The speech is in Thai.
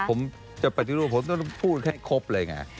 ผมจับปัจจุดูกผมต้องพูดทั้งครบเลยง่ะ